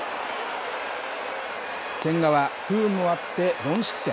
千賀は不運もあって４失点。